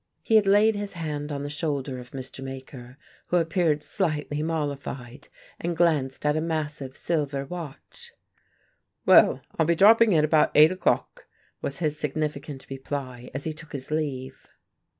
He had laid his hand on the shoulder of Mr. Maker, who appeared slightly mollified, and glanced at a massive silver watch. "Well, I'll be dropping in about eight o'clock," was his significant reply, as he took his leave.